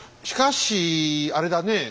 しかしあれだね